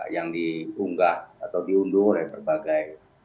yang diunggah atau diunduh oleh berbagai